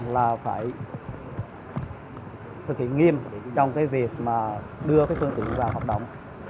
là phải thực hiện nghiêm trong cái việc mà đưa cái phương tiện vào hoạt động